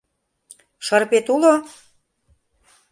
— Шырпет уло?